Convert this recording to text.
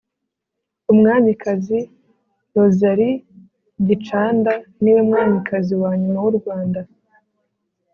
Umwamikazi Rosalie Gicanda niwe Mwamikazi wanyuma w’u Rwanda.